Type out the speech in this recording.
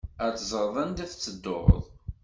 Ad teẓreḍ anda tettedduḍ.